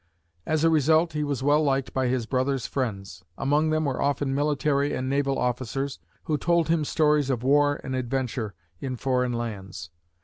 As a result, he was well liked by his brother's friends. Among them were often military and naval officers, who told him stories of war and adventure in foreign lands.